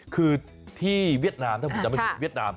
คือที่เวียดนามถ้าผมไม่ปิดวิดดาม